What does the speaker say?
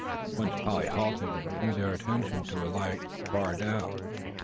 Once Polly halted, and drew their attention to a light far down.